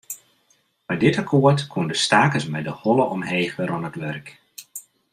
Mei dit akkoart koenen de stakers mei de holle omheech wer oan it wurk.